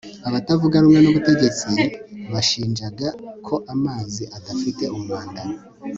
abatavuga rumwe n'ubutegetsi bashinjaga ko amazi adafite umwanda